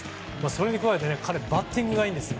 それに加えて彼はバッティングもいいんですよ。